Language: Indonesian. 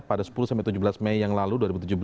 pada sepuluh tujuh belas mei yang lalu dua ribu tujuh belas